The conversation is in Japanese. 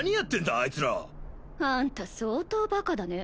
あいつらあんた相当バカだね